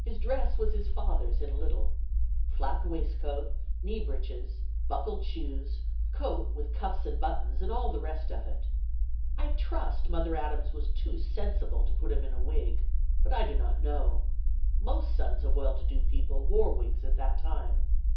His dress was his father's in little, flapped waistcoat, knee breeches, buckled shoes, coat with cuffs and buttons and all the rest of it. I trust Mother Adams was too sensible to put him in a wig, but I do not know; most sons of well to do people wore wigs at that time.